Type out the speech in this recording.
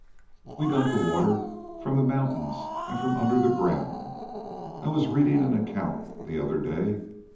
"We've got the water from the mountains, and from under the ground. I was reading an account the other day.